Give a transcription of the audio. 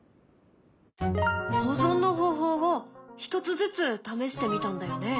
保存の方法を１つずつ試してみたんだよね？